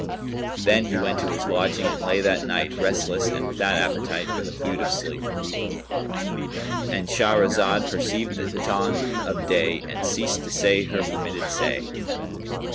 Then he went to his lodging and lay that night, restless and without appetite for the food of sleep.—And Shahrazad perceived the dawn of day and ceased to say her permitted say.